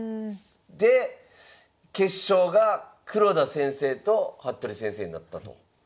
で決勝が黒田先生と服部先生になったと。